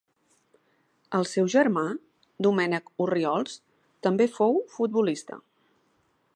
El seu germà Domènec Orriols també fou futbolista.